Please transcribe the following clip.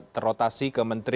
terotasi ke menteri